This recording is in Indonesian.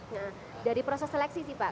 nah dari proses seleksi sih pak